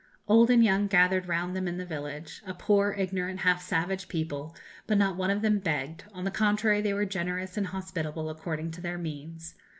Old and young gathered round them in the village a poor, ignorant, half savage people, but not one of them begged; on the contrary, they were generous and hospitable according to their means.